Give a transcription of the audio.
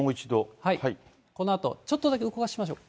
このあと、ちょっとだけ動かしましょう。